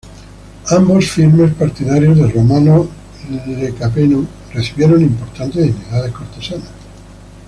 Ambos firmes partidarios de Romano Lecapeno, recibieron importantes dignidades cortesanas.